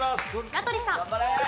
名取さん。